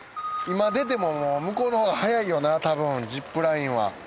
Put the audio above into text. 今出ても向こうのほうが早いよなたぶんジップラインは。